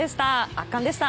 圧巻でした。